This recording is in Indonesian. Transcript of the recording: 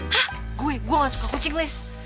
hah gue gue gak suka kucing liz